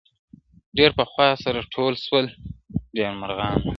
ډېر پخوا سره ټول سوي ډېر مرغان وه-